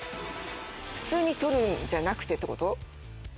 普通に取るんじゃなくてってこと？